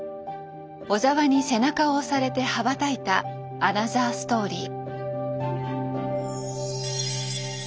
小澤に背中を押されて羽ばたいたアナザーストーリー。